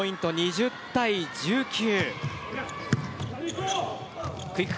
２０対１９。